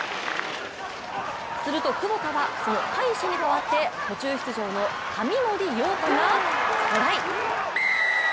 するとクボタはその海士に代わって途中出場の紙森陽太がトライ。